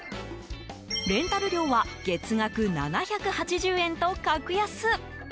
レンタル料は月額７８０円と格安。